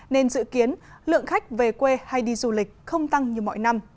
nên dự kiến lượng khách về quê hay đi du lịch không tăng như mọi năm